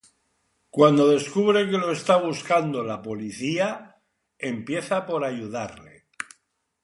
Cuando descubre que lo está buscando la policía, empieza por ayudarle.